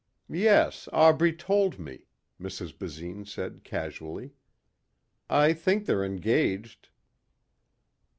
"Yes, Aubrey told me," Mrs. Basine said casually. "I think they're engaged."